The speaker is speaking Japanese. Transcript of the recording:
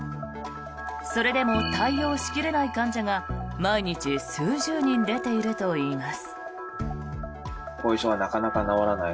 それでも対応しきれない患者が毎日数十人出ているといいます。